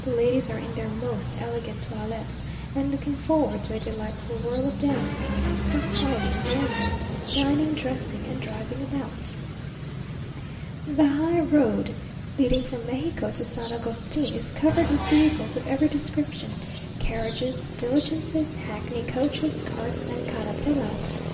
The ladies are in their most elegant toilets, and looking forward to a delightful whirl of dancing, cock fighting, gambling, dining, dressing, and driving about. The high road leading from Mexico to San Agustin is covered with vehicles of every description; carriages, diligences, hackney coaches, carts, and carratelas.